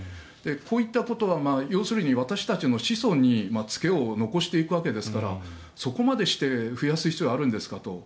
こういったことは要するに私たちの子孫に付けを残していくわけですからそこまでして増やす必要はあるんですかと。